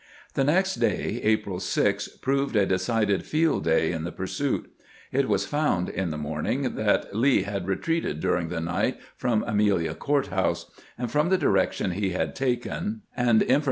The next day (April 6) proved a decided field day in the pursuit. It was found in the morning that Lee had retreated during the night from Amelia Court house; and from the direction he had taken, and information 3 v>f\^.